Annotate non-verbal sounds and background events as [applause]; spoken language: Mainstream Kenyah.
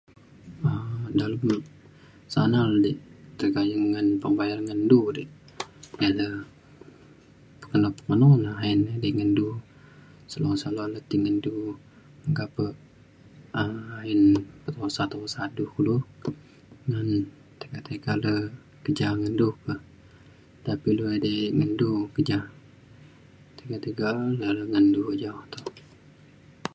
Aak nan pa ilou sana alek tai ka'i ngan layan ngan ngedo urip [unintelligible] pemung neo ngedo, kekan pa tai pa usa-usa dulue, tiga-tiga ngan endo kerja